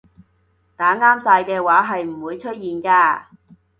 打啱晒嘅話係唔會出現㗎